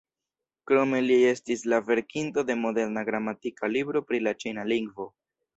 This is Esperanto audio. Krome li estis la verkinto de moderna gramatika libro pri la ĉina lingvo.